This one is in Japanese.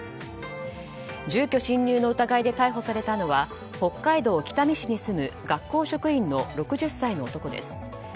住居侵入の疑いで逮捕されたのは北海道北見市に住む学校職員の６０歳の男です。